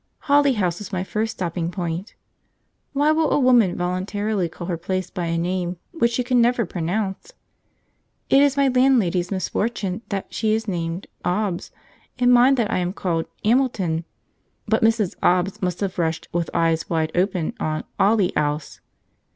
Holly House was my first stopping place. Why will a woman voluntarily call her place by a name which she can never pronounce? It is my landlady's misfortune that she is named 'Obbs, and mine that I am called 'Amilton, but Mrs. 'Obbs must have rushed with eyes wide open on 'Olly 'Ouse.